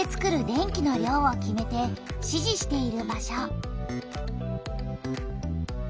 電気の量を決めて指示している場所。